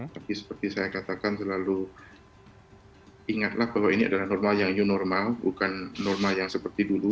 tapi seperti saya katakan selalu ingatlah bahwa ini adalah normal yang new normal bukan normal yang seperti dulu